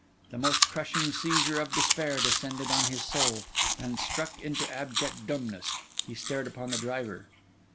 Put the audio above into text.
The most crushing seizure of despair descended on his soul; and struck into abject dumbness, he stared upon the driver.